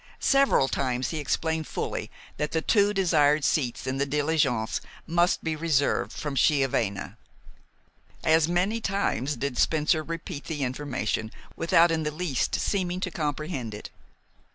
Several times he explained fully that the two desired seats in the diligence must be reserved from Chiavenna. As many times did Spencer repeat the information without in the least seeming to comprehend it.